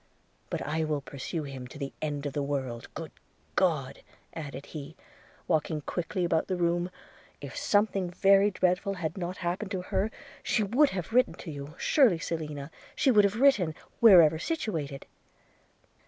But I will pursue him to the end of the world – Good God!' added he, walking quickly about the room, 'if something very dreadful had not happened to her, she would have written to you – surely, Selina, she would have written, wherever situated.'